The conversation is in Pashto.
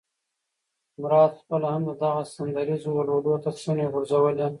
مراد خپله هم دغو سندریزو ولولو ته څڼې غورځولې.